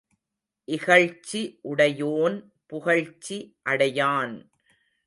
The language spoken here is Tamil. இகழ்ச்சி உடையோன் புகழ்ச்சி அடையான்.